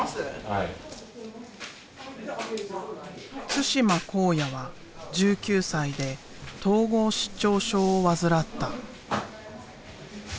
對馬考哉は１９歳で統合失調症を患った。